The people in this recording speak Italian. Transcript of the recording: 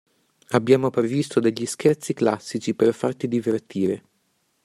Abbiamo previsto degli scherzi classici per farti divertire.